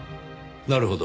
なるほど。